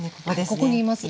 ここにいますね。